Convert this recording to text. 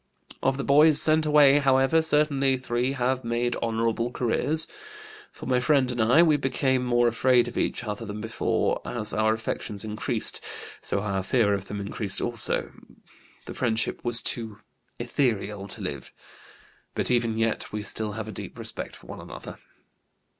Of the boys sent away, however, certainly three have made honorable careers. For my friend and I, we became more afraid of each other than before; as our affections increased, so our fear of them increased also. The friendship was too ethereal to live; but even yet we still have a deep respect for one another.